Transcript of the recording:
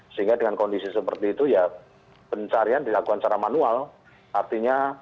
sehingga dengan kondisi seperti itu ya pencarian dilakukan secara manual artinya